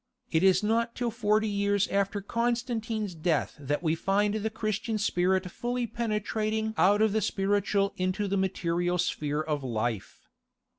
It is not till forty years after Constantine's death that we find the Christian spirit fully penetrating out of the spiritual into the material sphere of life.